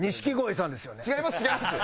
違います違います。